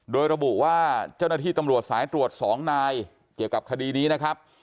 โดยระบุว่าเจ้าหน้าที่ตำรวจสายตรวจ๒นายเกี่ยวกับคดีนี้นะครับ